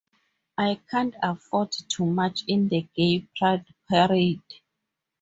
I can't afford to march in the Gay Pride Parade.